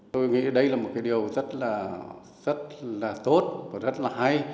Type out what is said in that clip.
tôi nghĩ đây là một cái điều rất là tốt và rất là hay